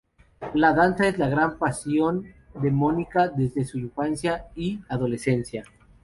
La danza es la gran pasión de Mónica desde su infancia y adolescencia.